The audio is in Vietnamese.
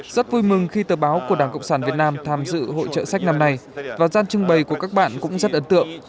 rất vui mừng khi tờ báo của đảng cộng sản việt nam tham dự hội trợ sách năm nay và gian trưng bày của các bạn cũng rất ấn tượng